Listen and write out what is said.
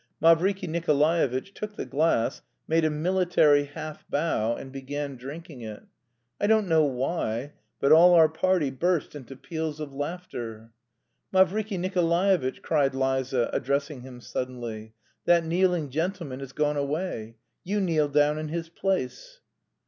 Mavriky Nikolaevitch took the glass, made a military half bow, and began drinking it. I don't know why, but all our party burst into peals of laughter. "Mavriky Nikolaevitch," cried Liza, addressing him suddenly. "That kneeling gentleman has gone away. You kneel down in his place."